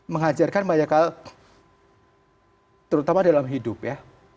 mengajarkan banyak hal terutama dalam hidup ya